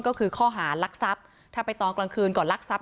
ก็คือข้อหารักทรัพย์ถ้าไปตอนกลางคืนก่อนลักทรัพ